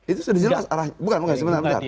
itu sudah jelas arahnya bukan bukan